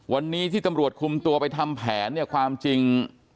วันนี้ที่ตำรวจคุมตัวไปทำแผนเนี่ยความจริง